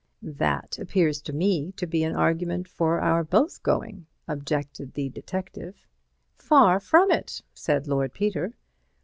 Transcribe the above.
"That appears to me to be an argument for our both going," objected the detective. "Far from it," said Lord Peter.